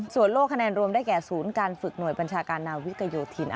ส่วนโลกคะแนนรวมได้แก่ศูนย์การฝึกหน่วยบัญชาการนาวิกโยธิน